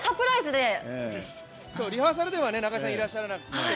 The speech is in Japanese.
リハーサルではいらっしゃらなくて。